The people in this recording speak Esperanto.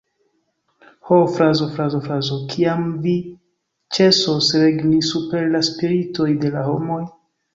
Ho, frazo, frazo, frazo, kiam vi ĉesos regni super la spiritoj de la homoj!